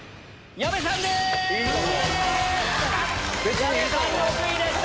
矢部さん６位でした。